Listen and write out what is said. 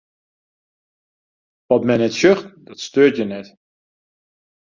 Wat men net sjocht, dat steurt jin net.